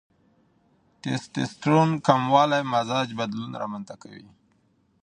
ټیسټسټرون کموالی مزاج بدلون رامنځته کوي.